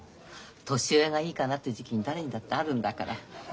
年上がいいかなって時期誰にだってあるんだから。